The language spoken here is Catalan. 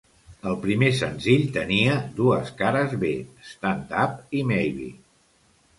El primer senzill tenia dues cares b: "Stand up" i "Maybe".